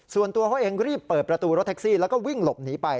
ส่วนตัวเขาเองรีบเปิดประตูรถแท็กซี่แล้วก็วิ่งหลบหนีไป